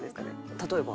例えば？